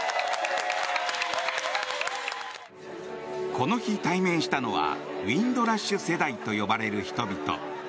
この日、対面したのはウィンドラッシュ世代と呼ばれる人々。